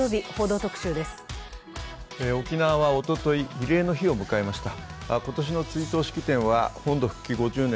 沖縄はおととい、慰霊の日を迎えました。